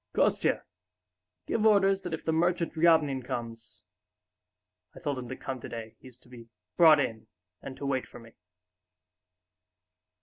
"Kostya, give orders that if the merchant Ryabinin comes ... I told him to come today, he's to be brought in and to wait for me...."